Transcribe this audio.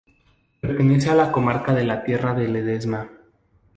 Pertenece a la comarca de la Tierra de Ledesma.